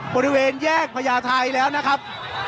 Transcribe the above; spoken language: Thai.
บริเวณแยกพญาไทยแล้วนะครับ